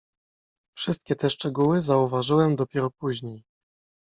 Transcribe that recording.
"Wszystkie te szczegóły zauważyłem dopiero później."